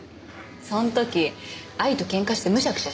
その時愛とケンカしてむしゃくしゃしてたから。